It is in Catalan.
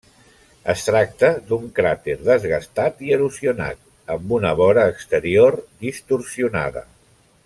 Es tracta d'un cràter desgastat i erosionat, amb una vora exterior distorsionada.